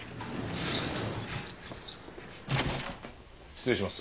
失礼します。